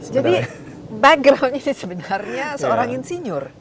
jadi background ini sebenarnya seorang insinyur